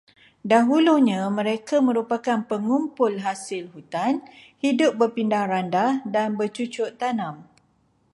Dahulunya mereka merupakan pengumpul hasil hutan, hidup berpindah-randah, dan bercucuk tanam.